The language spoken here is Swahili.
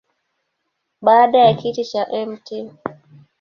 Baada ya kiti cha Mt.